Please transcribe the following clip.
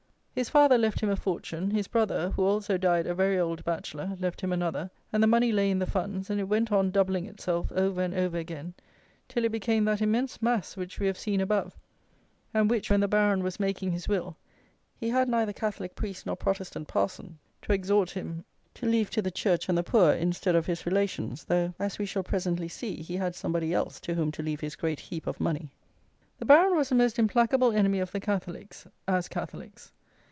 His father left him a fortune, his brother (who also died a very old bachelor), left him another; and the money lay in the funds, and it went on doubling itself over and over again, till it became that immense mass which we have seen above, and which, when the Baron was making his will, he had neither Catholic priest nor Protestant parson to exhort him to leave to the church and the poor, instead of his relations; though, as we shall presently see, he had somebody else to whom to leave his great heap of money. The Baron was a most implacable enemy of the Catholics, as Catholics.